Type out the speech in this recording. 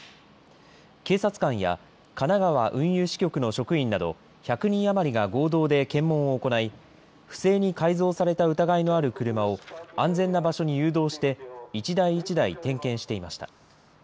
警察官や神奈川運輸支局の職員など、１００人余りが合同で検問を行い、不正に改造された疑いのある車を安全な場所に誘導して、一台一台点検していました。